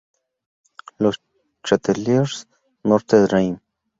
Les Châtelliers-Notre-Dame